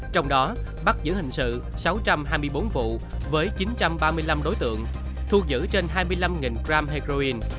trong đó bắt giữ hình sự sáu trăm hai mươi bốn vụ với chín trăm ba mươi năm đối tượng thu giữ trên hai mươi năm g heroin